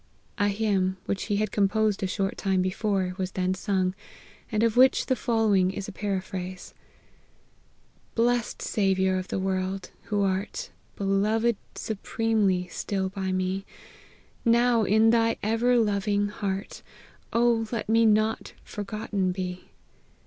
A hymn, which he had composed a short time before, was then sung, and of which the following is a para phrase : Blest Saviour of the world ! who art Beloved supremely still by me, Now, in thy ever loving heart, Oh let me not forgotten be